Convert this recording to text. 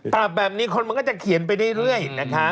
ปรับแบบนี้คนมันก็จะเขียนไปเรื่อยนะคะ